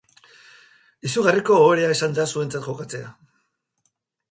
Izugarrizko ohorea izan da zuentzat jokatzea.